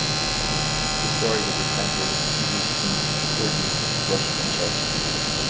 His stories have been translated into English, Hindi, Urdu, Russian and Czech.